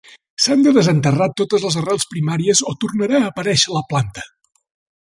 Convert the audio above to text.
S'han de desenterrar totes les arrels primàries o tornarà a aparèixer la planta.